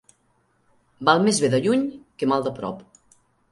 Val més bé de lluny que mal de prop.